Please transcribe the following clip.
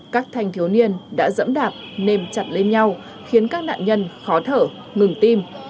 các thanh thiếu niên đã dẫm đạp nên chặt lên nhau khiến các nạn nhân khó thở ngừng tim